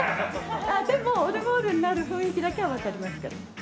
でもオルゴールになる雰囲気だけはわかりますから。